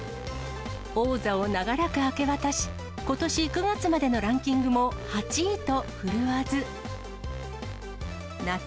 王座を長らく明け渡し、ことし９月までのランキングも８位と振るわず。